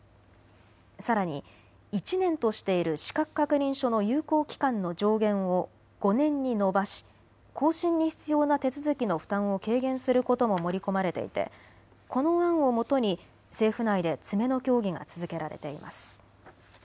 さらに１年としている資格確認書の有効期間の上限を５年に延ばし更新に必要な手続きの負担を軽減することも盛り込まれていてこの案をもとに政府内で詰めの協議が続けられています。